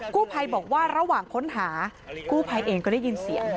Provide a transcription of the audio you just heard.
กู้ภัยบอกว่าระหว่างค้นหากู้ภัยเองก็ได้ยินเสียง